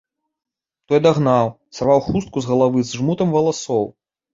Той дагнаў, сарваў хустку з галавы з жмутам валасоў.